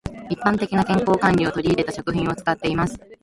一般的な健康管理を取り入れた食品を使っています。